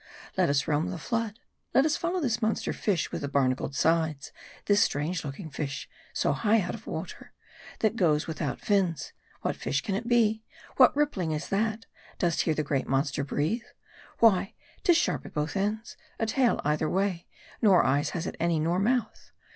Let us roam the flood ; let us follow this monster fish with the barnacled sides ; this strange looking fish, so high out of water ; that goes without fins. What fish can it be ? What M A R D I. 179 rippling is that ? Dost hear the great monster breathe ? Why, 'tis sharp at both ends ; a tail either way ; nor eyes has it any, nor mouth.